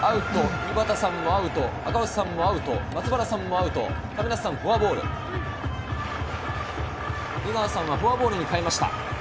井端さんも赤星さんも、松原さんもアウト、亀梨さんはフォアボール、江川さんはフォアボールに変えました。